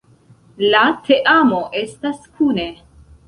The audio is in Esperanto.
La teamo estas kune.